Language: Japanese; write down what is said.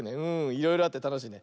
いろいろあってたのしいね。